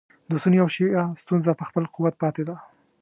د سني او شیعه ستونزه په خپل قوت پاتې ده.